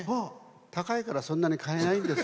高いから、そんなに買えないです。